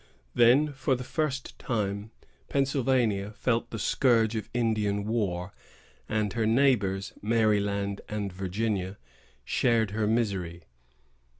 Then, for the first time, Pennsylvania felt the scourge of Indian war; and her neighbors, Maryland and Virginia, shared her misery.